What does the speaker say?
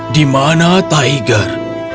di mana tiger